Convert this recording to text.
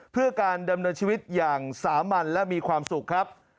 เพื่อการดำเนินชีวิตอย่างสามัญและมีความสุขครับ